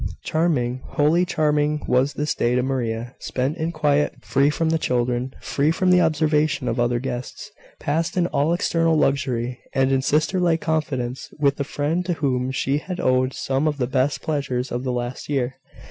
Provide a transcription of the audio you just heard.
Charming, wholly charming, was this day to Maria, spent in quiet, free from the children, free from the observation of other guests, passed in all external luxury, and in sister like confidence with the friend to whom she had owed some of the best pleasures of the last year.